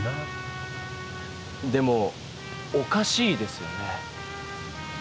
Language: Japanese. でもおかしいですよね。